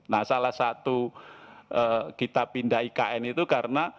nah salah satu kita pindah ikn itu karena